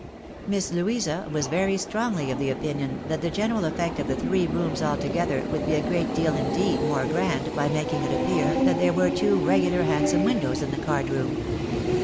Miss Louisa was very strongly of opinion that the general effect of the three rooms altogether would be a great deal indeed more grand by making it appear that there were two regular handsome windows in the card room.